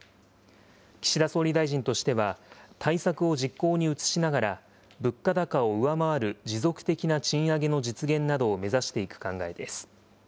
岸田総理大臣としては、対策を実行に移しながら、物価高を上回る持続的な賃上げの実現などを目指していく考えです。